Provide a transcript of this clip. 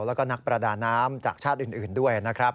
แล้วก็นักประดาน้ำจากชาติอื่นด้วยนะครับ